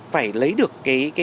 phải lấy được